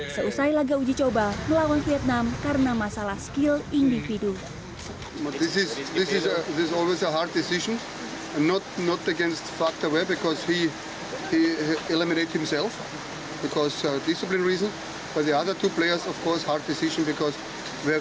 selesai laga uji coba melawan vietnam karena masalah skill individu